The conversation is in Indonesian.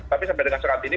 tapi sampai dengan saat ini